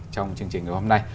trong chương trình hôm nay